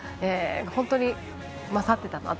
本当に勝っていたなと。